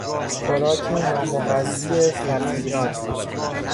خوراک نامغذی فقیران